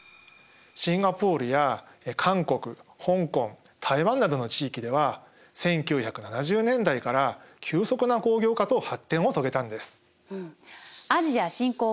シンガポールや韓国香港台湾などの地域では１９７０年代から急速な工業化と発展を遂げたんです。